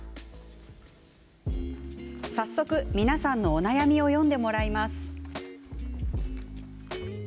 早速、皆さんのお悩みを読んでもらいます。